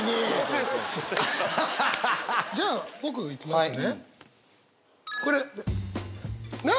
じゃあ僕いきますね。